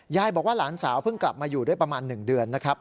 ยายบอกว่าหลานสาวเพิ่งกลับมาอยู่ได้ประมาณ๑เดือนนะครับ